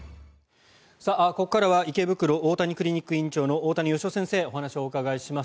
ここからは池袋大谷クリニック院長の大谷義夫先生にお話をお伺いします。